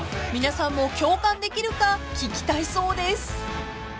［皆さんも共感できるか聞きたいそうです］